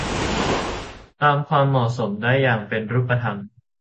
ตามความเหมาะสมได้อย่างเป็นรูปธรรม